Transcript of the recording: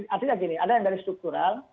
artinya gini ada yang dari struktural